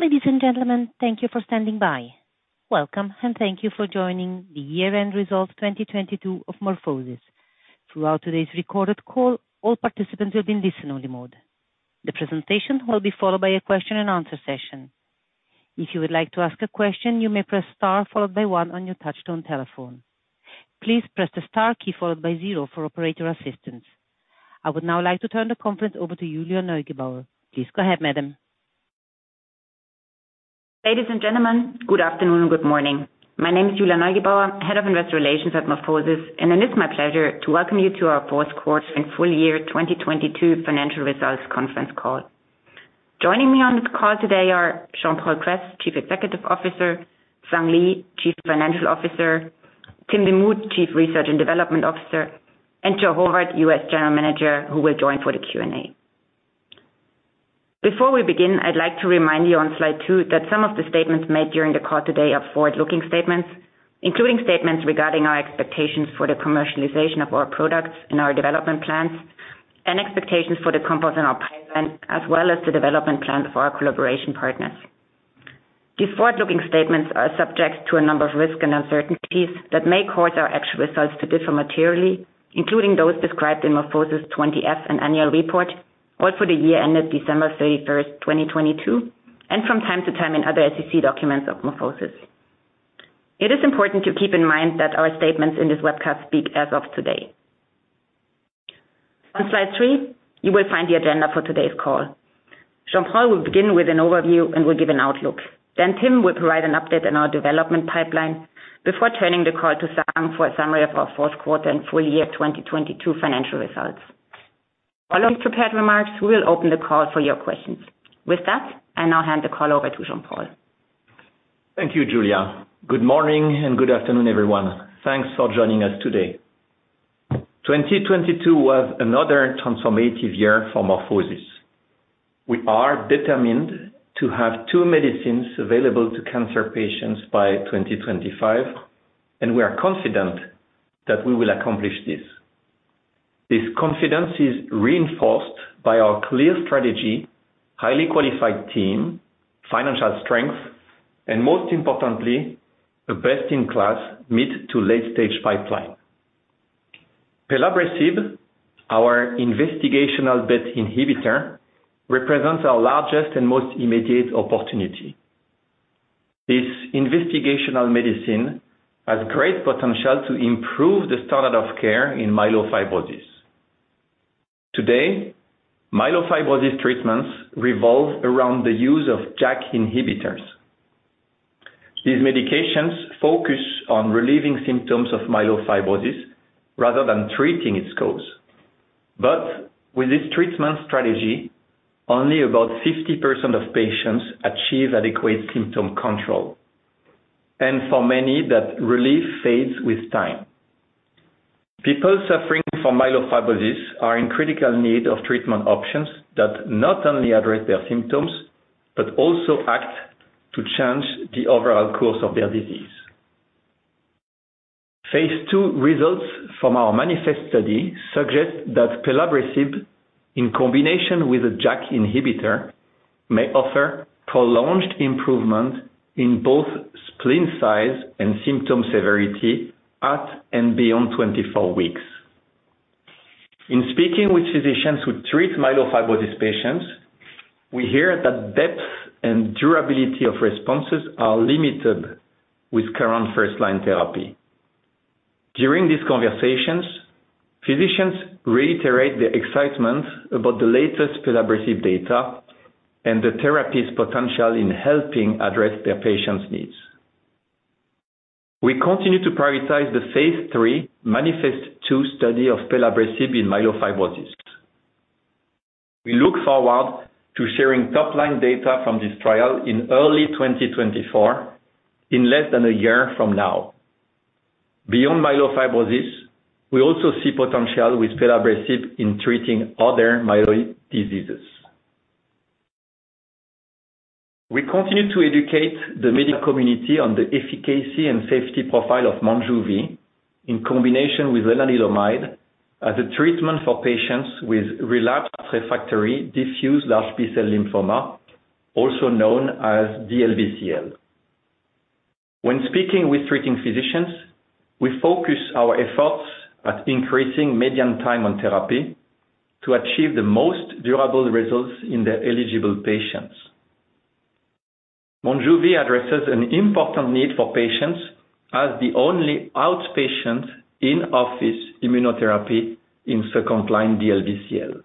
Ladies and gentlemen, thank you for standing by. Welcome, and thank you for joining the year-end results 2022 of MorphoSys. Throughout today's recorded call, all participants will be in listen only mode. The presentation will be followed by a question and answer session. If you would like to ask a question, you may press Star followed by one on your touchtone telephone. Please press the Star key followed by zero for operator assistance. I would now like to turn the conference over to Julia Neugebauer. Please go ahead, madam. Ladies and gentlemen, good afternoon and good morning. My name is Julia Neugebauer, Head of Investor Relations at MorphoSys. It is my pleasure to welcome you to our fourth quarter and full year 2022 financial results conference call. Joining me on this call today are Jean-Paul Kress, Chief Executive Officer, Sung Lee, Chief Financial Officer, Tim Demuth, Chief Research and Development Officer, and Joe Horvat, U.S. General Manager, who will join for the Q&A. Before we begin, I'd like to remind you on slide two that some of the statements made during the call today are forward-looking statements, including statements regarding our expectations for the commercialization of our products and our development plans, and expectations for the compounds in our pipeline, as well as the development plans of our collaboration partners. These forward-looking statements are subject to a number of risks and uncertainties that may cause our actual results to differ materially, including those described in MorphoSys's 20-F and annual report, all for the year ended December 31st, 2022, and from time to time in other SEC documents of MorphoSys. It is important to keep in mind that our statements in this webcast speak as of today. On slide three, you will find the agenda for today's call. Jean-Paul will begin with an overview and will give an outlook. Tim will provide an update on our development pipeline before turning the call to Sung for a summary of our fourth quarter and full year 2022 financial results. Following the prepared remarks, we will open the call for your questions. With that, I now hand the call over to Jean-Paul. Thank you, Julia. Good morning and good afternoon, everyone. Thanks for joining us today. 2022 was another transformative year for MorphoSys. We are determined to have two medicines available to cancer patients by 2025, and we are confident that we will accomplish this. This confidence is reinforced by our clear strategy, highly qualified team, financial strength, and most importantly, a best-in-class mid-to late-stage pipeline. Pelabresib, our investigational BET inhibitor, represents our largest and most immediate opportunity. This investigational medicine has great potential to improve the standard of care in myelofibrosis. Today, myelofibrosis treatments revolve around the use of JAK inhibitors. These medications focus on relieving symptoms of myelofibrosis rather than treating its cause. With this treatment strategy, only about 50% of patients achieve adequate symptom control. For many, that relief fades with time. People suffering from myelofibrosis are in critical need of treatment options that not only address their symptoms, but also act to change the overall course of their disease. Phase 2 results from our MANIFEST study suggest that Pelabresib, in combination with a JAK inhibitor, may offer prolonged improvement in both spleen size and symptom severity at and beyond 24 weeks. In speaking with physicians who treat myelofibrosis patients, we hear that depth and durability of responses are limited with current first-line therapy. During these conversations, physicians reiterate their excitement about the latest Pelabresib data and the therapy's potential in helping address their patients' needs. We continue to prioritize the phase 3 MANIFEST-2 study of Pelabresib in myelofibrosis. We look forward to sharing top-line data from this trial in early 2024, in less than a year from now. Beyond myelofibrosis, we also see potential with Pelabresib in treating other myeloid diseases. We continue to educate the medical community on the efficacy and safety profile of Monjuvi in combination with lenalidomide as a treatment for patients with relapsed refractory diffuse large B-cell lymphoma, also known as DLBCL. When speaking with treating physicians, we focus our efforts at increasing median time on therapy to achieve the most durable results in their eligible patients. Monjuvi addresses an important need for patients as the only outpatient in-office immunotherapy in second-line DLBCL.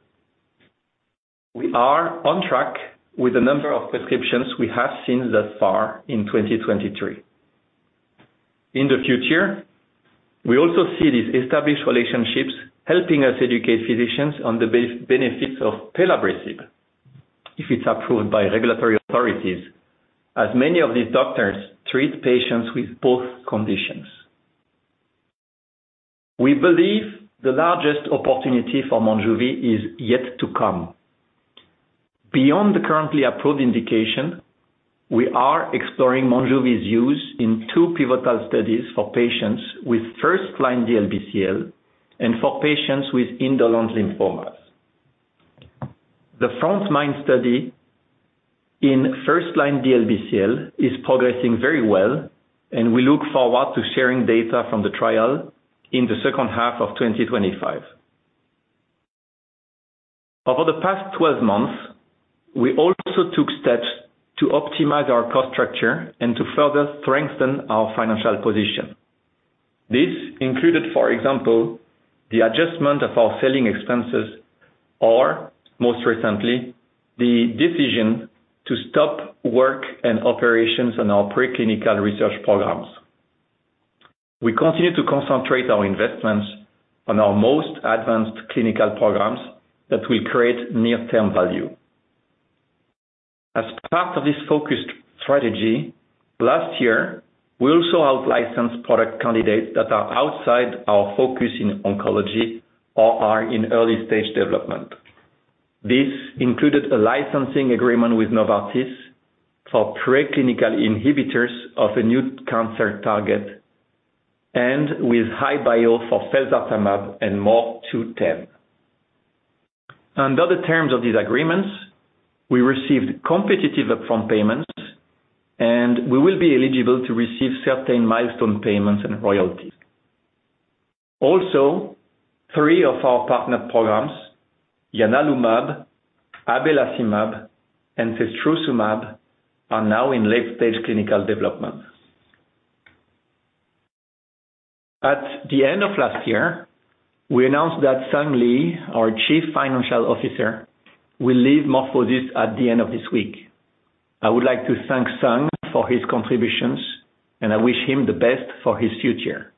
We are on track with the number of prescriptions we have seen thus far in 2023. In the future, we also see these established relationships helping us educate physicians on the benefits of Pelabresib if it's approved by regulatory authorities, as many of these doctors treat patients with both conditions. We believe the largest opportunity for Monjuvi is yet to come. Beyond the currently approved indication. We are exploring Monjuvi's use in two pivotal studies for patients with first-line DLBCL and for patients with indolent lymphomas. The Frontline study in first-line DLBCL is progressing very well, and we look forward to sharing data from the trial in the second half of 2025. Over the past 12 months, we also took steps to optimize our cost structure and to further strengthen our financial position. This included, for example, the adjustment of our selling expenses, or most recently, the decision to stop work and operations on our preclinical research programs. We continue to concentrate our investments on our most advanced clinical programs that will create near-term value. As part of this focused strategy, last year, we also out licensed product candidates that are outside our focus in oncology or are in early stage development. This included a licensing agreement with Novartis for preclinical inhibitors of a new cancer target and with HIBio for Felzartamab and MOR210. Under the terms of these agreements, we received competitive upfront payments, and we will be eligible to receive certain milestone payments and royalties. Also, three of our partner programs, Yanulumab, Abelacimab, and uncertain, are now in late stage clinical development. At the end of last year, we announced that Sung Lee, our Chief Financial Officer, will leave MorphoSys at the end of this week. I would like to thank Sung for his contributions, and I wish him the best for his future.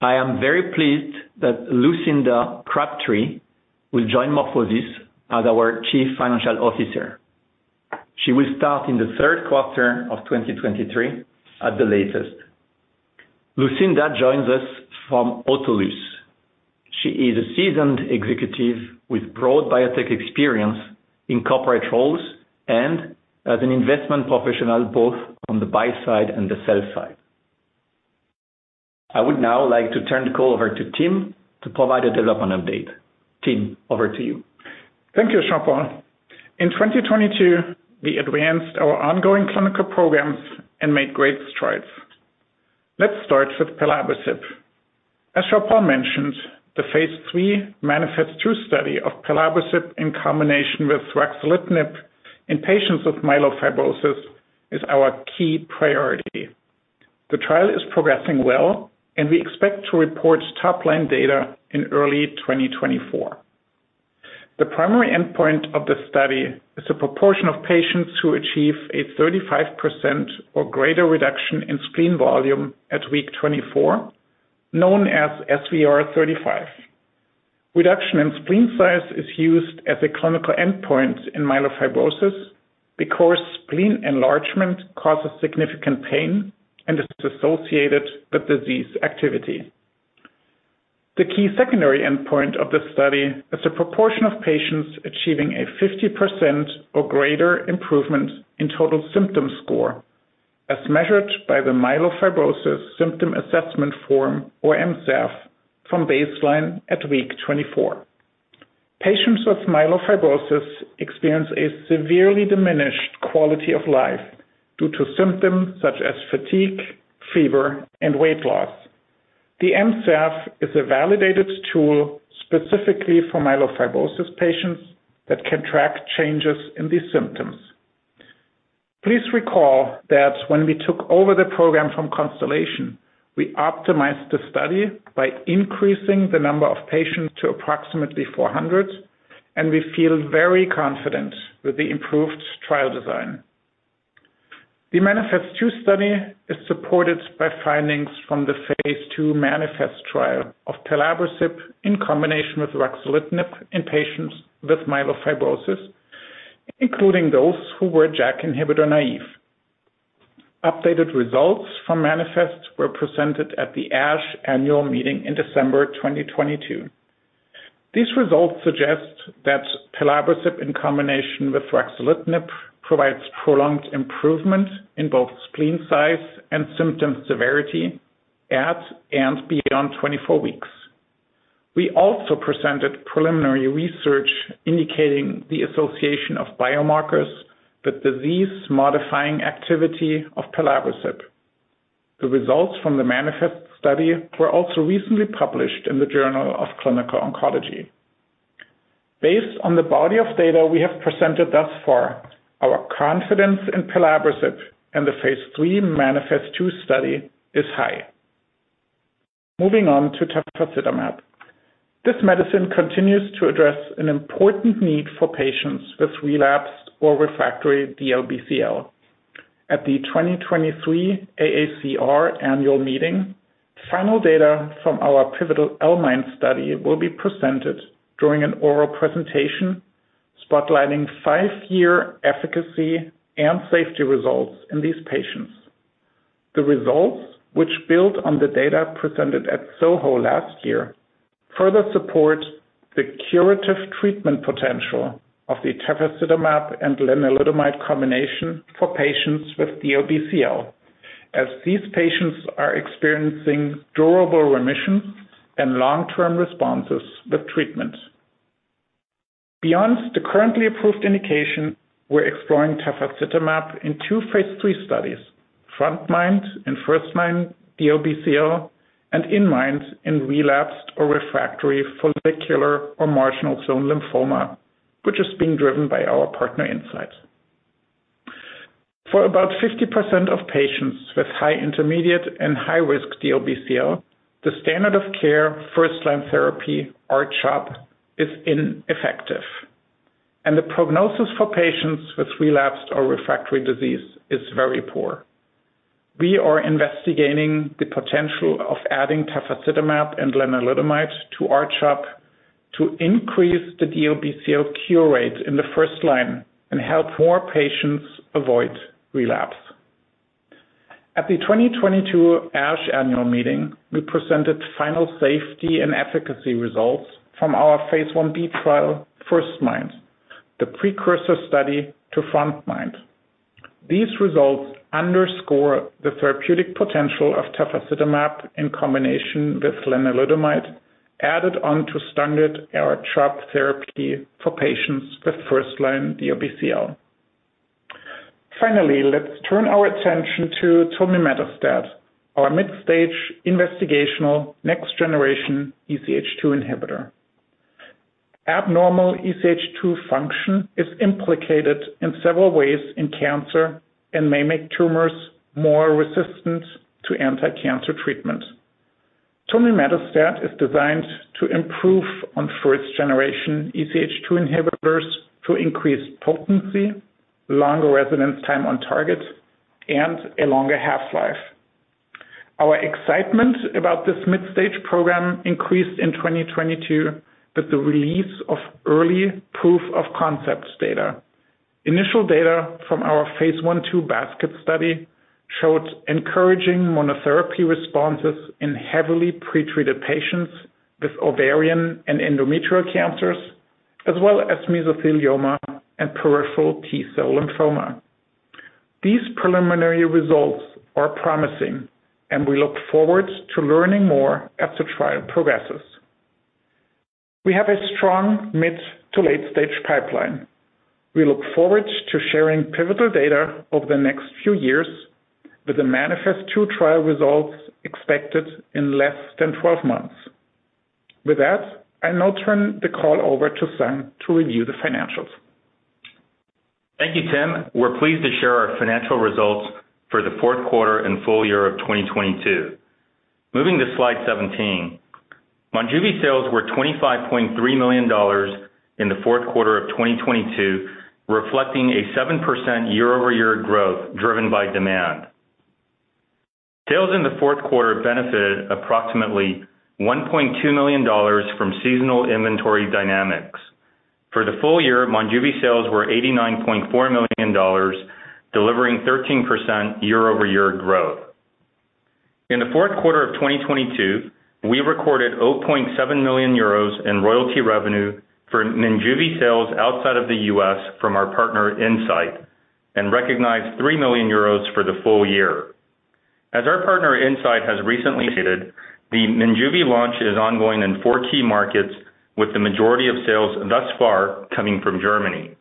I am very pleased that Lucinda Crabtree will join MorphoSys as our Chief Financial Officer. She will start in the third quarter of 2023 at the latest. Lucinda joins us from Autolus. She is a seasoned executive with broad biotech experience in corporate roles and as an investment professional, both on the buy side and the sell side. I would now like to turn the call over to Tim to provide a development update. Tim, over to you. Thank you, Jean-Paul. In 2022, we advanced our ongoing clinical programs and made great strides. Let's start with Pelabresib. As Jean-Paul mentioned, the phase 3 MANIFEST-2 study of Pelabresib in combination with ruxolitinib in patients with myelofibrosis is our key priority. The trial is progressing well, and we expect to report top-line data in early 2024. The primary endpoint of the study is the proportion of patients who achieve a 35% or greater reduction in spleen volume at week 24, known as SVR35. Reduction in spleen size is used as a clinical endpoint in myelofibrosis because spleen enlargement causes significant pain and is associated with disease activity. The key secondary endpoint of the study is the proportion of patients achieving a 50% or greater improvement in total symptom score as measured by the Myelofibrosis Symptom Assessment Form or MSAF from baseline at week 24. Patients with myelofibrosis experience a severely diminished quality of life due to symptoms such as fatigue, fever, and weight loss. The MSAF is a validated tool specifically for myelofibrosis patients that can track changes in these symptoms. Please recall that when we took over the program from Constellation, we optimized the study by increasing the number of patients to approximately 400. We feel very confident with the improved trial design. The MANIFEST-2 study is supported by findings from the phase 2 MANIFEST trial of Pelabresib in combination with ruxolitinib in patients with myelofibrosis, including those who were JAK inhibitor naive. Updated results from MANIFEST were presented at the ASH annual meeting in December 2022. These results suggest that Pelabresib in combination with ruxolitinib provides prolonged improvement in both spleen size and symptom severity at and beyond 24 weeks. We also presented preliminary research indicating the association of biomarkers with disease-modifying activity of Pelabresib. The results from the MANIFEST study were also recently published in the Journal of Clinical Oncology. Based on the body of data we have presented thus far, our confidence in Pelabresib and the Phase 3 MANIFEST-2 study is high. Moving on to Tafasitamab. This medicine continues to address an important need for patients with relapsed or refractory DLBCL. At the 2023 AACR annual meeting, final data from our pivotal L-MIND study will be presented during an oral presentation spotlighting five-year efficacy and safety results in these patients. The results, which build on the data presented at SOHO last year, further support the curative treatment potential of the Tafasitamab and lenalidomide combination for patients with DLBCL, as these patients are experiencing durable remissions and long-term responses with treatment. Beyond the currently approved indication, we're exploring Tafasitamab in two phase 3 studies, frontMIND in first-line DLBCL, and inMIND in relapsed or refractory follicular or marginal zone lymphoma, which is being driven by our partner, Incyte. For about 50% of patients with high intermediate and high-risk DLBCL, the standard of care first-line therapy, R-CHOP, is ineffective, and the prognosis for patients with relapsed or refractory disease is very poor. We are investigating the potential of adding Tafasitamab and lenalidomide to R-CHOP to increase the DLBCL cure rate in the first line and help more patients avoid relapse. At the 2022 ASH annual meeting, we presented final safety and efficacy results from our phase 1b trial, firstMIND, the precursor study to frontMIND. These results underscore the therapeutic potential of Tafasitamab in combination with lenalidomide added on to standard R-CHOP therapy for patients with first-line DLBCL. Finally, let's turn our attention to tulmimetostat, our mid-stage investigational next-generation EZH2 inhibitor. Abnormal EZH2 function is implicated in several ways in cancer and may make tumors more resistant to anti-cancer treatment. Tulmimetostat is designed to improve on first generation EZH2 inhibitors to increase potency, longer residence time on target, and a longer half-life. Our excitement about this mid-stage program increased in 2022 with the release of early proof of concepts data. Initial data from our Phase 1/2 basket study showed encouraging monotherapy responses in heavily pretreated patients with ovarian and endometrial cancers, as well as mesothelioma and peripheral T-cell lymphoma. These preliminary results are promising and we look forward to learning more as the trial progresses. We have a strong mid to late-stage pipeline. We look forward to sharing pivotal data over the next few years with the MANIFEST-2 trial results expected in less than 12 months. With that, I'll now turn the call over to Sung Lee to review the financials. Thank you, Tim. We're pleased to share our financial results for the fourth quarter and full year of 2022. Moving to slide 17. Monjuvi sales were $25.3 million in the fourth quarter of 2022, reflecting a 7% year-over-year growth driven by demand. Sales in the fourth quarter benefited approximately $1.2 million from seasonal inventory dynamics. For the full year, Monjuvi sales were $89.4 million, delivering 13% year-over-year growth. In the fourth quarter of 2022, we recorded 0.7 million euros in royalty revenue for Monjuvi sales outside of the U.S. from our partner, Incyte, and recognized 3 million euros for the full year. As our partner, Incyte, has recently stated, the Monjuvi launch is ongoing in four key markets, with the majority of sales thus far coming from Germany.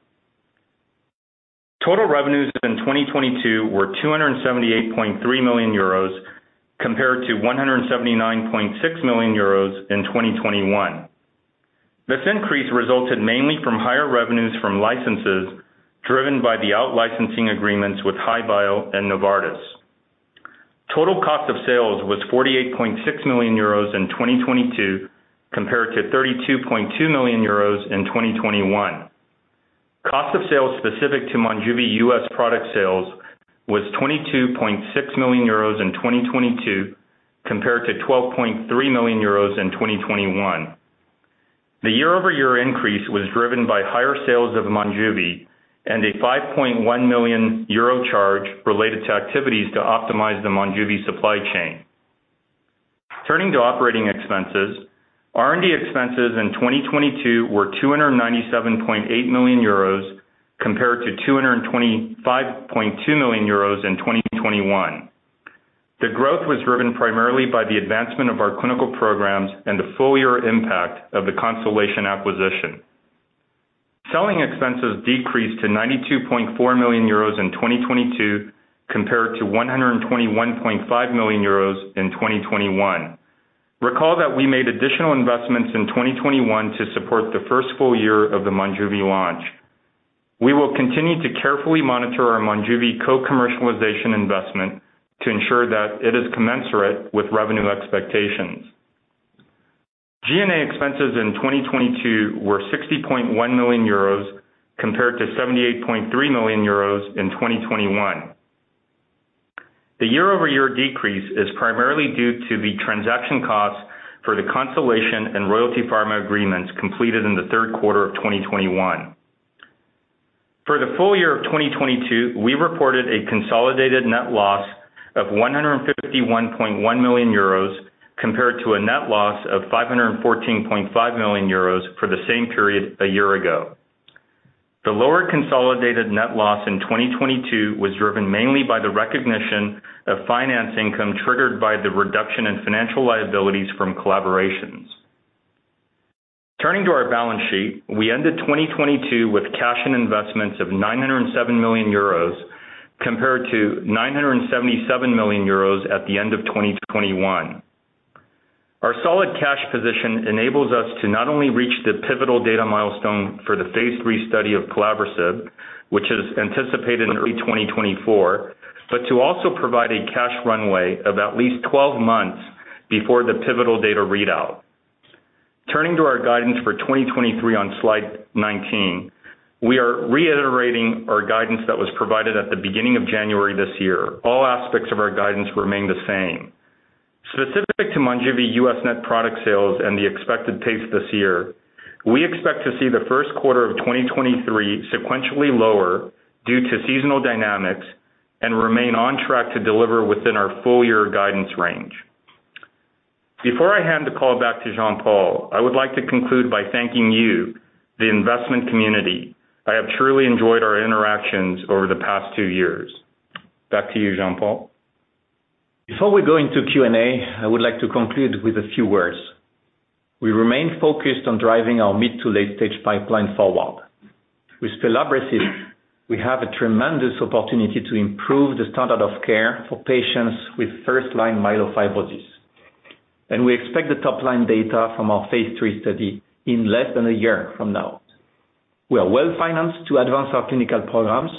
Total revenues in 2022 were 278.3 million euros compared to 179.6 million euros in 2021. This increase resulted mainly from higher revenues from licenses driven by the out licensing agreements with HIBio and Novartis. Total cost of sales was 48.6 million euros in 2022 compared to 32.2 million euros in 2021. Cost of sales specific to Monjuvi US product sales was 22.6 million euros in 2022 compared to 12.3 million euros in 2021. The year-over-year increase was driven by higher sales of Monjuvi and a 5.1 million euro charge related to activities to optimize the Monjuvi supply chain. Turning to operating expenses. R&D expenses in 2022 were 297.8 million euros compared to 225.2 million euros in 2021. The growth was driven primarily by the advancement of our clinical programs and the full year impact of the Constellation acquisition. Selling expenses decreased to 92.4 million euros in 2022 compared to 121.5 million euros in 2021. Recall that we made additional investments in 2021 to support the first full year of the Monjuvi launch. We will continue to carefully monitor our Monjuvi co-commercialization investment to ensure that it is commensurate with revenue expectations. G&A expenses in 2022 were 60.1 million euros compared to 78.3 million euros in 2021. The year-over-year decrease is primarily due to the transaction costs for the Constellation and Royalty Pharma agreements completed in the third quarter of 2021. For the full year of 2022, we reported a consolidated net loss of 151.1 million euros compared to a net loss of 514.5 million euros for the same period a year ago. The lower consolidated net loss in 2022 was driven mainly by the recognition of finance income triggered by the reduction in financial liabilities from collaborations. Turning to our balance sheet, we ended 2022 with cash and investments of 907 million euros compared to 977 million euros at the end of 2021. Our solid cash position enables us to not only reach the pivotal data milestone for the phase 3 study of Pelabresib, which is anticipated in early 2024, but to also provide a cash runway of at least 12 months before the pivotal data readout. Turning to our guidance for 2023 on slide 19, we are reiterating our guidance that was provided at the beginning of January this year. All aspects of our guidance remain the same. Specific to Monjuvi US net product sales and the expected pace this year, we expect to see the first quarter of 2023 sequentially lower due to seasonal dynamics and remain on track to deliver within our full year guidance range. Before I hand the call back to Jean-Paul, I would like to conclude by thanking you, the investment community. I have truly enjoyed our interactions over the past two years. Back to you, Jean-Paul. Before we go into Q&A, I would like to conclude with a few words. We remain focused on driving our mid to late-stage pipeline forward. With Pelabresib, we have a tremendous opportunity to improve the standard of care for patients with first-line myelofibrosis, and we expect the top-line data from our Phase 3 study in less than a year from now. We are well-financed to advance our clinical programs,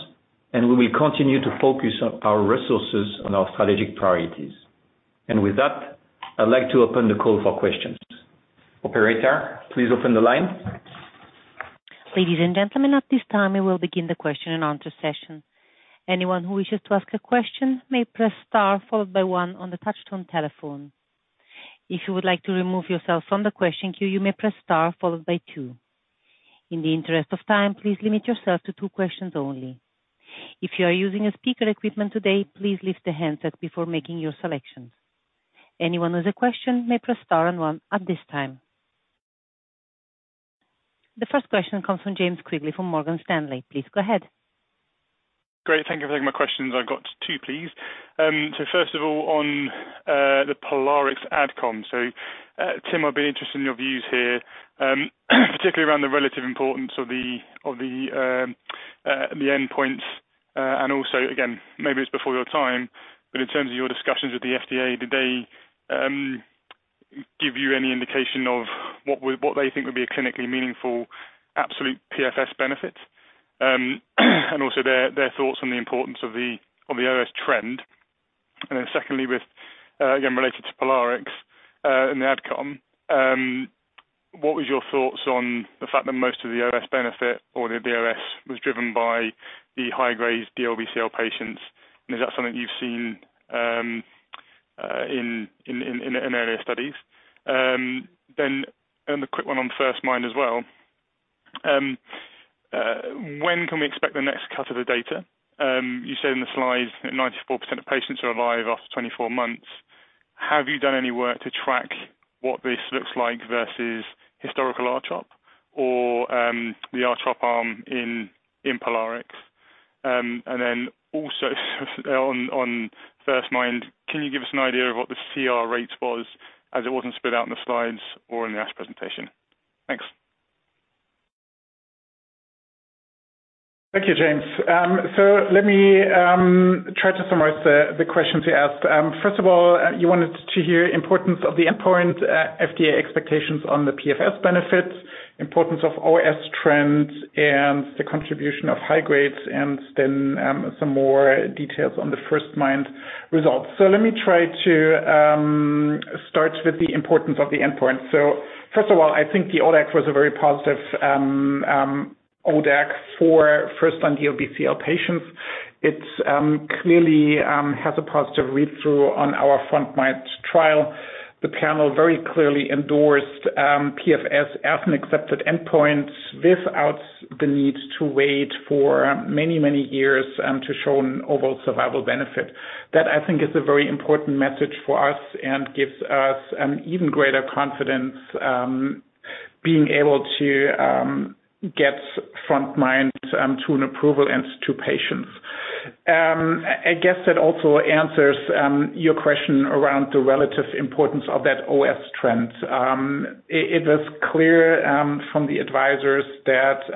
and we will continue to focus our resources on our strategic priorities. With that, I'd like to open the call for questions. Operator, please open the line. Ladies and gentlemen, at this time, we will begin the question and answer session. Anyone who wishes to ask a question may press Star followed by one on the touch-tone telephone. If you would like to remove yourself from the question queue, you may press Star followed by two. In the interest of time, please limit yourself to two questions only. If you are using speaker equipment today, please lift the handset before making your selections. Anyone with a question may press Star and one at this time. The first question comes from James Quigley from Morgan Stanley. Please go ahead. Great. Thank you for taking my questions. I've got two, please. First of all, on the POLARIX AdCom. Tim, I'd be interested in your views here, particularly around the relative importance of the endpoints. Also, again, maybe it's before your time, but in terms of your discussions with the FDA, did they give you any indication of what they think would be a clinically meaningful absolute PFS benefit? Also their thoughts on the importance of the OS trend. Secondly, with again, related to POLARIX, in the AdCom, what was your thoughts on the fact that most of the OS benefit or the OS was driven by the high-grade DLBCL patients? Is that something you've seen in earlier studies? A quick one on firstMIND as well. When can we expect the next cut of the data? You said in the slides that 94% of patients are alive after 24 months. Have you done any work to track what this looks like versus historical R-CHOP or the R-CHOP arm in POLARIX? Also on firstMIND, can you give us an idea of what the CR rate was as it wasn't split out in the slides or in the ASH presentation? Thanks. Thank you, James. Let me try to summarize the questions you asked. First of all, you wanted to hear importance of the endpoint, FDA expectations on the PFS benefits, importance of OS trends, and the contribution of high grades, and then some more details on the Firstmind results. Let me try to start with the importance of the endpoint. First of all, I think the ODAC was a very positive ODAC for first on DLBCL patients. It clearly has a positive read-through on our Frontmind trial. The panel very clearly endorsed PFS as an accepted endpoint without the need to wait for many years to show an overall survival benefit. That, I think, is a very important message for us and gives us an even greater confidence, being able to get frontMIND to an approval and to patients. I guess that also answers your question around the relative importance of that OS trend. It was clear from the advisors that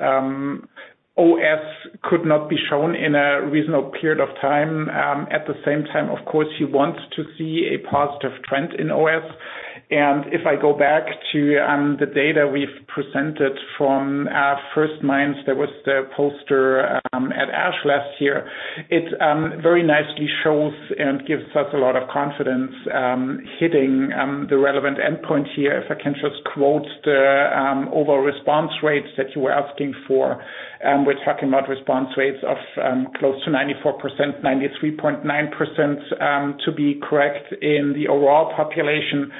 OS could not be shown in a reasonable period of time. At the same time, of course, you want to see a positive trend in OS. If I go back to the data we've presented from our firstMIND, there was the poster at ASH last year. It very nicely shows and gives us a lot of confidence, hitting the relevant endpoint here. If I can just quote the overall response rates that you were asking for, we're talking about response rates of close to 94%, 93.9% to be correct in the overall population.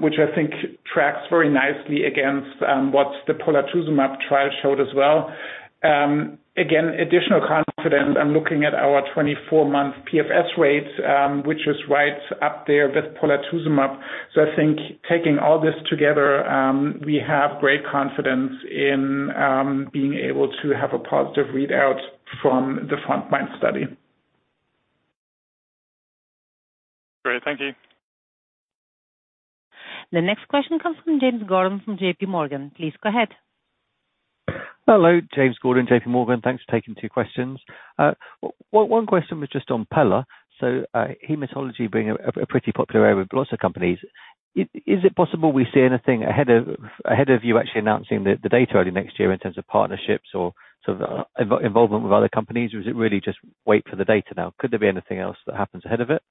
Which I think tracks very nicely against what the Polatuzumab trial showed as well. Again, additional confidence. I'm looking at our 24-month PFS rates, which is right up there with Polatuzumab. I think taking all this together, we have great confidence in being able to have a positive readout from the frontline study. Great. Thank you. The next question comes from James Gordon from JPMorgan. Please go ahead. Hello, James Gordon, JPMorgan. Thanks for taking two questions. One question was just on Pela. Hematology being a pretty popular area with lots of companies, is it possible we see anything ahead of you actually announcing the data early next year in terms of partnerships or sort of involvement with other companies? Is it really just wait for the data now? Could there be anything else that happens ahead of it?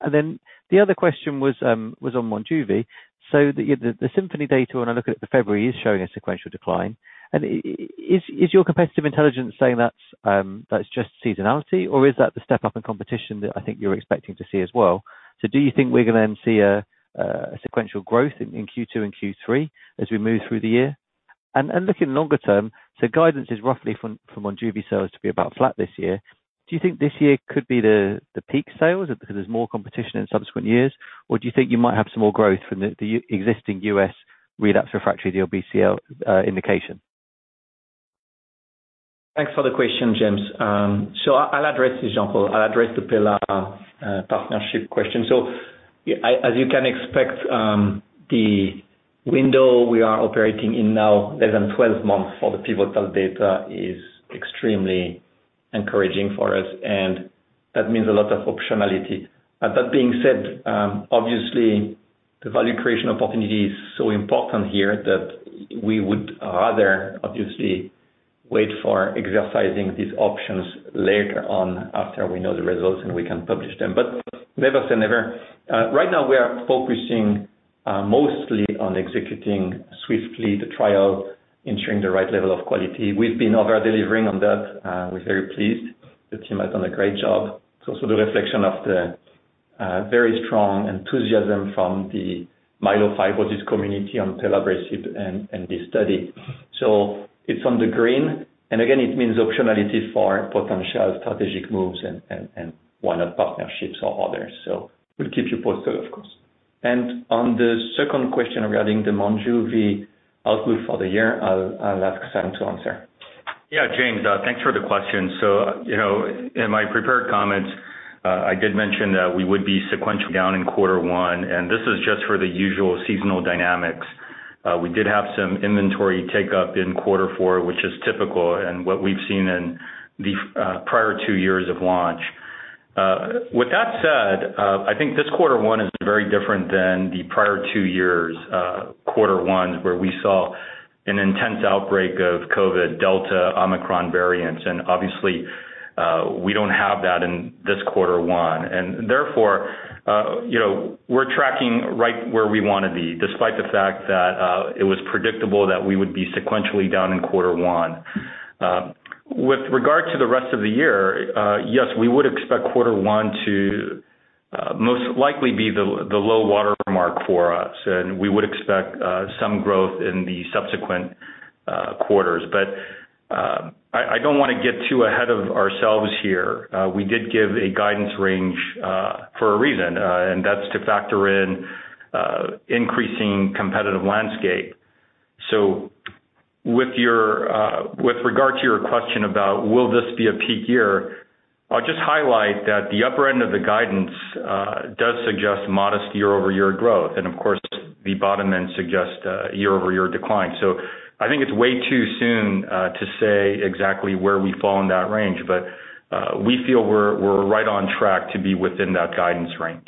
The other question was on Monjuvi, the Symphony data, when I look at the February, is showing a sequential decline. Is your competitive intelligence saying that's just seasonality or is that the step up in competition that I think you're expecting to see as well? Do you think we're gonna then see a sequential growth in Q2 and Q3 as we move through the year? Looking longer term, guidance is roughly from Monjuvi sales to be about flat this year. Do you think this year could be the peak sales because there's more competition in subsequent years? Or do you think you might have some more growth from the existing US relapse refractory DLBCL indication? Thanks for the question, James. I'll address this, Jean-Paul. I'll address the Pela partnership question. I, as you can expect, the window we are operating in now, less than 12 months for the pivotal data is extremely encouraging for us, and that means a lot of optionality. That being said, obviously the value creation opportunity is so important here that we would rather obviously wait for exercising these options later on after we know the results and we can publish them. Never say never. Right now we are focusing mostly on executing swiftly the trial, ensuring the right level of quality. We've been over-delivering on that. We're very pleased. The team has done a great job. It's also the reflection of the very strong enthusiasm from the myelofibrosis community on Pelabresib and this study. It's on the green. Again, it means optionality for potential strategic moves and one of partnerships or others. We'll keep you posted, of course. On the second question regarding the Monjuvi outlook for the year, I'll ask Sung to answer. Yeah, James, thanks for the question. You know, in my prepared comments, I did mention that we would be sequential down in quarter one, and this is just for the usual seasonal dynamics. We did have some inventory take up in quarter four, which is typical and what we've seen in the prior two years of launch. With that said, I think this quarter one is very different than the prior two years, quarter ones, where we saw an intense outbreak of COVID Delta Omicron variants, and obviously, we don't have that in this quarter one. You know, we're tracking right where we want to be, despite the fact that it was predictable that we would be sequentially down in quarter one. With regard to the rest of the year, yes, we would expect quarter one to most likely be the low water mark for us, and we would expect some growth in the subsequent quarters. I don't wanna get too ahead of ourselves here. We did give a guidance range for a reason, and that's to factor in increasing competitive landscape. With your, with regard to your question about will this be a peak year, I'll just highlight that the upper end of the guidance does suggest modest year-over-year growth. Of course, the bottom end suggests a year-over-year decline. I think it's way too soon to say exactly where we fall in that range. We feel we're right on track to be within that guidance range.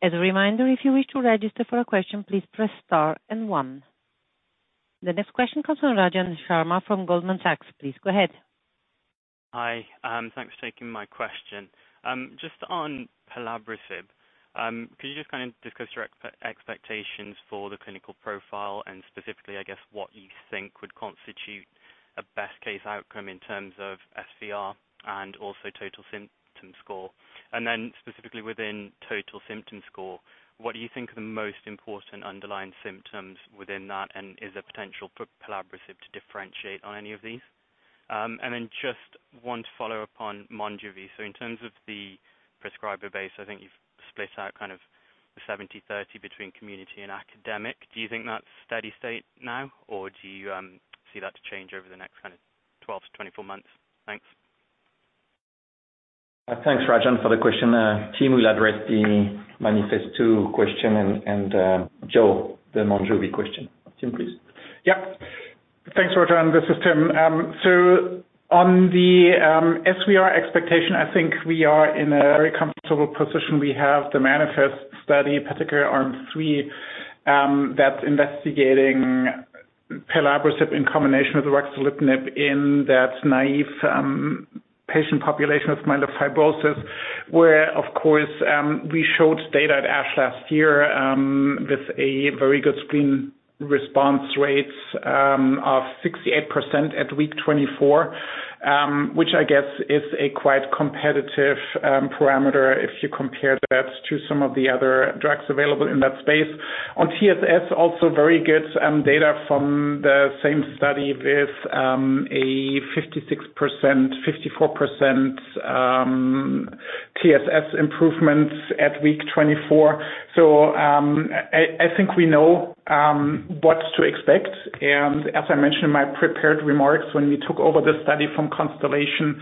As a reminder, if you wish to register for a question, please press star and one. The next question comes from Rajan Sharma from Goldman Sachs. Please go ahead. Hi. Thanks for taking my question. Just on Pelabresib, could you just kind of discuss your expectations for the clinical profile and specifically, I guess, what you think would constitute a best case outcome in terms of SVR and also total symptom score? Specifically within total symptom score, what do you think are the most important underlying symptoms within that, and is there potential for Pelabresib to differentiate on any of these? Just one follow-up on Monjuvi. In terms of the prescriber base, I think you've split out kind of the 70/30 between community and academic. Do you think that's steady-state now, or do you see that to change over the next kind of 12 to 24 months? Thanks. Thanks, Rajan, for the question. Tim will address the MANIFEST-2 question and Joe, the Monjuvi question. Tim, please. Yeah. Thanks, Rajan. This is Tim. On the SVR expectation, I think we are in a very comfortable position. We have the MANIFEST study, particularly arm three, that's investigating Pelabresib in combination with ruxolitinib in that naive patient population of myelofibrosis, where, of course, we showed data at ASH last year, with a very good screen response rates of 68% at week 24. Which I guess is a quite competitive parameter if you compare that to some of the other drugs available in that space. On TSS, also very good data from the same study with a 56%, 54% TSS improvements at week 24. I think we know what to expect. As I mentioned in my prepared remarks, when we took over the study from Constellation,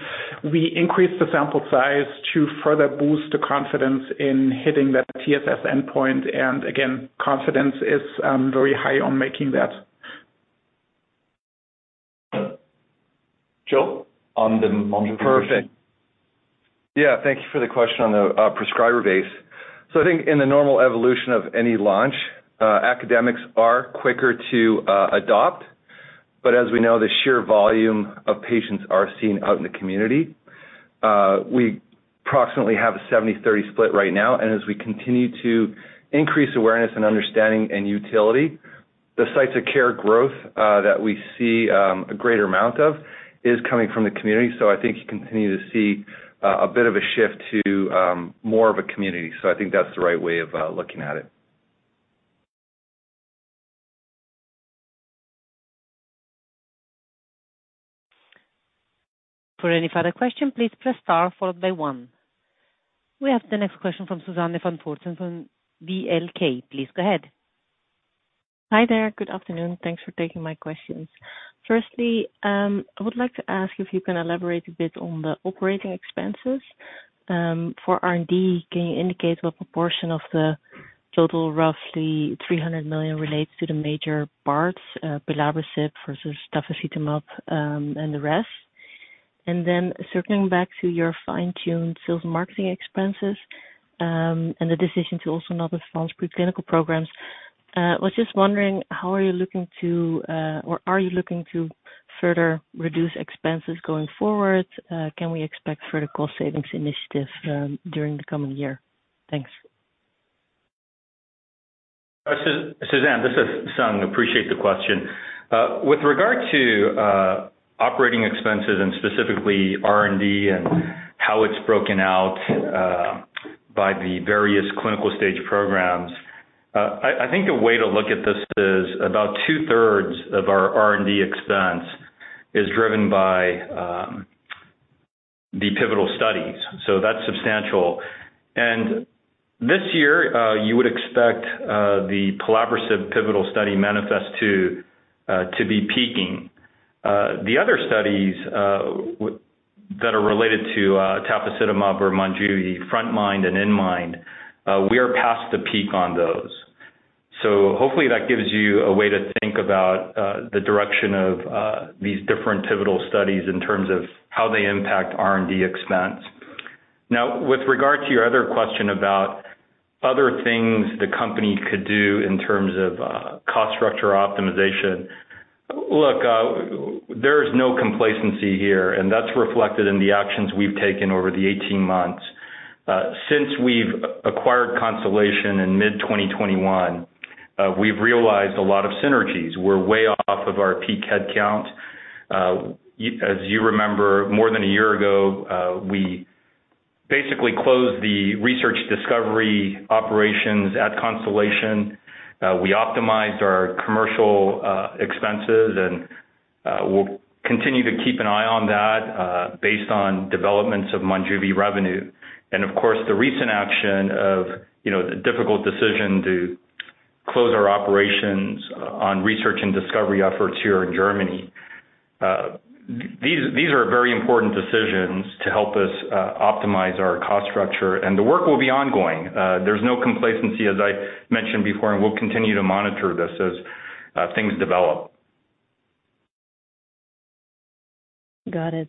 we increased the sample size to further boost the confidence in hitting that TSS endpoint. Again, confidence is very high on making that. Joe. Perfect. Yeah, thank you for the question on the prescriber base. I think in the normal evolution of any launch, academics are quicker to adopt, but as we know, the sheer volume of patients are seen out in the community. We approximately have a 70-30 split right now, and as we continue to increase awareness and understanding and utility, the sites of care growth that we see, a greater amount of is coming from the community. I think you continue to see a bit of a shift to more of a community. I think that's the right way of looking at it. For any further question, please press star followed by one. We have the next question from Suzanne van Voorthuizen from VLK. Please go ahead. Hi there. Good afternoon. Thanks for taking my questions. Firstly, I would like to ask if you can elaborate a bit on the operating expenses for R&D. Can you indicate what proportion of the total, roughly 300 million relates to the major parts, Pelabresib versus Tafasitamab, and the rest? Circling back to your fine-tuned sales marketing expenses and the decision to also not advance pre-clinical programs, was just wondering how are you looking to or are you looking to further reduce expenses going forward? Can we expect further cost savings initiative during the coming year? Thanks. Susanne, this is Sung. Appreciate the question. With regard to operating expenses and specifically R&D and how it's broken out by the various clinical stage programs, I think a way to look at this is about two-thirds of our R&D expense is driven by the pivotal studies. That's substantial. This year, you would expect the Pelabresib pivotal study MANIFEST-2 to be peaking. The other studies that are related to Tafasitamab or Monjuvi, the frontMIND and inMIND, we are past the peak on those. Hopefully that gives you a way to think about the direction of these different pivotal studies in terms of how they impact R&D expense. With regard to your other question about other things the company could do in terms of cost structure optimization. There is no complacency here, and that's reflected in the actions we've taken over the 18 months. Since we've acquired Constellation in mid-2021, we've realized a lot of synergies. We're way off of our peak headcount. As you remember, more than a year ago, we basically closed the research discovery operations at Constellation. We optimized our commercial expenses, and we'll continue to keep an eye on that based on developments of Monjuvi revenue. Of course, the recent action of, you know, the difficult decision to close our operations on research and discovery efforts here in Germany. These are very important decisions to help us optimize our cost structure. The work will be ongoing. There's no complacency, as I mentioned before. We'll continue to monitor this as things develop. Got it.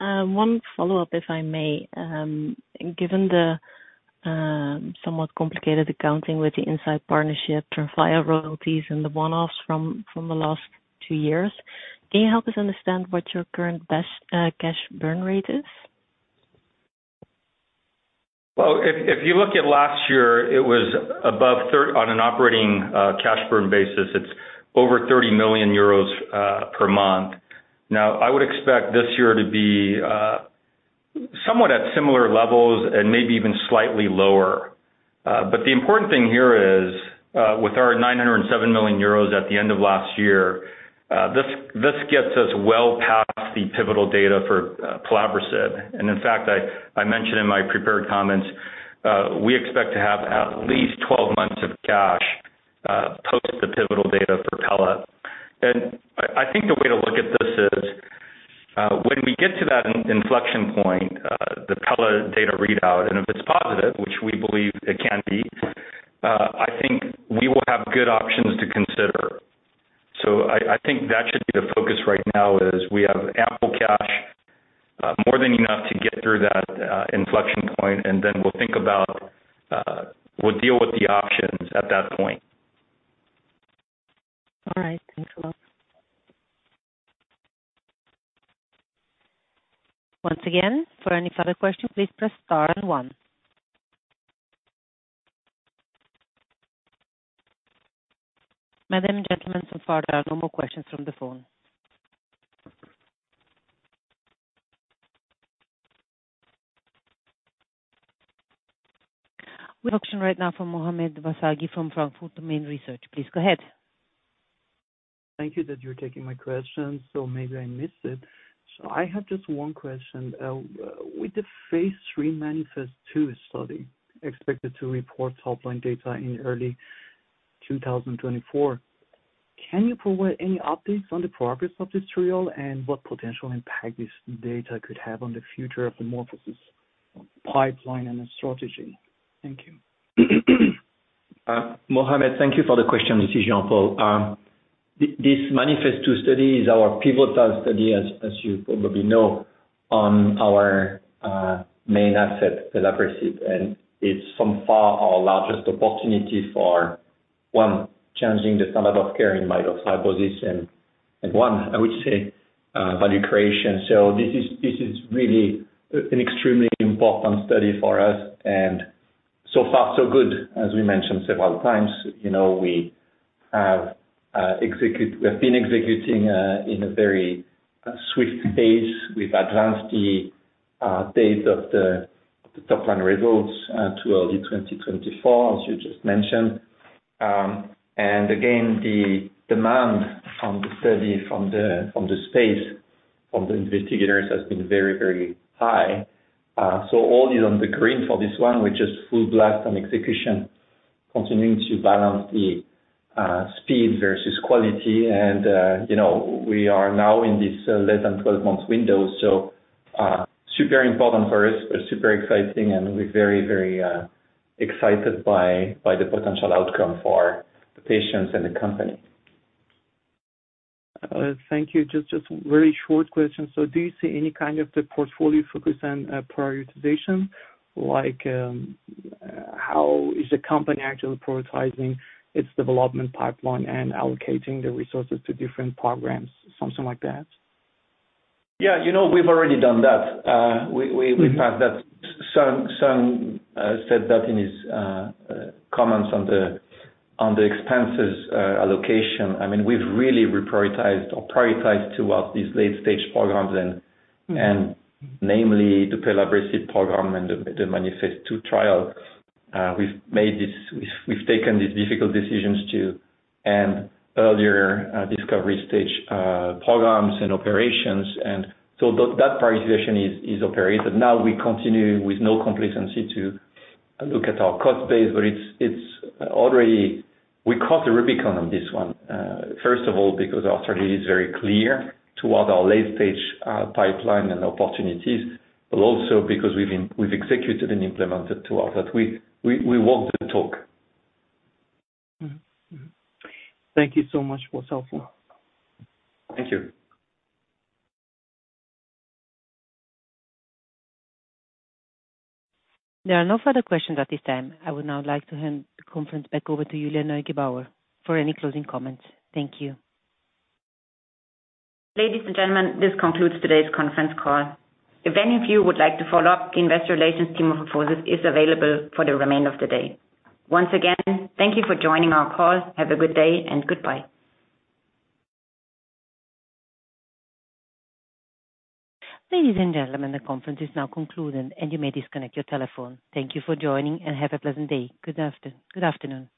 One follow-up, if I may. Given the somewhat complicated accounting with the Incyte partnership, Tremfya royalties and the one-offs from the last two years, can you help us understand what your current best cash burn rate is? Well, if you look at last year, it was above on an operating cash burn basis, it's over 30 million euros per month. I would expect this year to be somewhat at similar levels and maybe even slightly lower. The important thing here is with our 907 million euros at the end of last year, this gets us well past the pivotal data for Pelabresib. In fact, I mentioned in my prepared comments, we expect to have at least 12 months of cash post the pivotal data for Pela. I think the way to look at this is, when we get to that inflection point, the Pela data readout, and if it's positive, which we believe it can be, I think we will have good options to consider. I think that should be the focus right now, is we have ample cash, more than enough to get through that inflection point, and then we'll think about, we'll deal with the options at that point. All right. Thanks a lot. Once again, for any further question, please press star and 1. Madam and gentlemen, so far there are no more questions from the phone. We have a question right now from Mohamad Vaseghi from Frankfurt Main Research. Please go ahead. Thank you that you're taking my question, Maybe I missed it. I have just one question. With the phase 3 MANIFEST-2 study expected to report top line data in early 2024, can you provide any updates on the progress of this trial and what potential impact this data could have on the future of the MorphoSys pipeline and the strategy? Thank you. Mohamad, thank you for the question. This is Jean-Paul. This MANIFEST-2 study is our pivotal study, as you probably know, on our main asset, Pelabresib, and it's from far our largest opportunity for, one, changing the standard of care in myelofibrosis and one, I would say, value creation. This is really an extremely important study for us and so far so good. As we mentioned several times, you know, we have been executing in a very swift pace. We've advanced the date of the top line results to early 2024, as you just mentioned. Again, the demand from the study from the space, from the investigators has been very, very high. All is on the green for this one. We're just full blast on execution, continuing to balance the speed versus quality and, you know, we are now in this less than 12 months window. Super important for us, but super exciting, and we're very excited by the potential outcome for the patients and the company. Thank you. Just very short question. Do you see any kind of the portfolio focus on prioritization? Like, how is the company actually prioritizing its development pipeline and allocating the resources to different programs? Something like that. Yeah. You know, we've already done that. We've had that. Seung said that in his comments on the expenses allocation. I mean, we've really reprioritized or prioritized towards these late stage programs and namely the Pelabresib program and the MANIFEST-2 trials. We've taken these difficult decisions to end earlier discovery stage programs and operations, and so that prioritization is operated. We continue with no complacency to look at our cost base, but it's already. We crossed the Rubicon on this one, first of all because our strategy is very clear toward our late stage pipeline and opportunities, but also because we've executed and implemented towards that. We walk the talk. Thank you so much. It was helpful. Thank you. There are no further questions at this time. I would now like to hand the conference back over to Julia Neugebauer for any closing comments. Thank you. Ladies and gentlemen, this concludes today's conference call. If any of you would like to follow up, the Investor Relations team of MorphoSys is available for the remainder of the day. Once again, thank you for joining our call. Have a good day and goodbye. Ladies and gentlemen, the conference is now concluded, and you may disconnect your telephone. Thank you for joining, and have a pleasant day. Good afternoon.